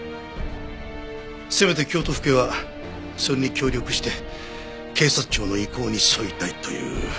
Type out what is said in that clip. せめて京都府警はそれに協力して警察庁の意向に沿いたいという。